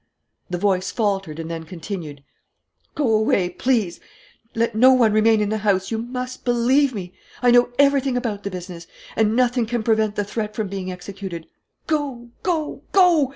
The voice faltered and then continued: "Go away, please. Let no one remain in the house. You must believe me. I know everything about the business. And nothing can prevent the threat from being executed. Go, go, go!